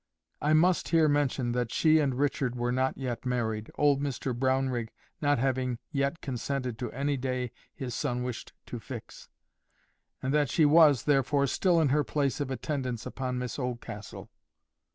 —I must here mention that she and Richard were not yet married, old Mr Brownrigg not having yet consented to any day his son wished to fix; and that she was, therefore, still in her place of attendance upon Miss Oldcastle.